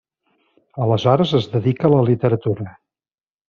Aleshores es dedica a la literatura.